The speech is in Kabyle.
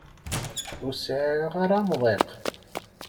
Ur sɛiɣ ara amḍiq.